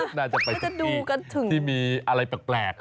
น่าจะไปที่ที่มีอะไรแปลก